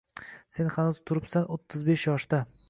Sen hanuz turibsan o’ttiz besh yoshda